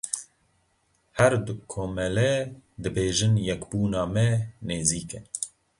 Her du Komele dibêjin yekbûna me nêzîk e.